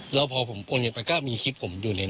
แล้วพอผมโอนเงินไปก็มีคลิปผมอยู่ในนั้น